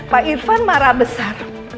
pak irfan marah besar